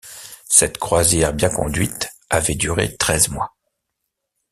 Cette croisière bien conduite avait durée treize mois.